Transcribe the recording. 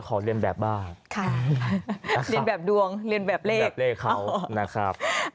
ขอเรียนแบบบ้านค่ะเรียนแบบดวงเรียนแบบเลขเลขเขานะครับ